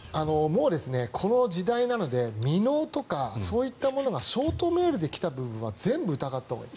もうこの時代なので未納とかそういったものがショートメールで来た部分は全部疑ったほうがいい。